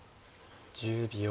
１０秒。